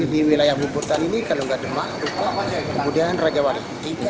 di wilayah bubutan ini kalau tidak demak luka kemudian rajawari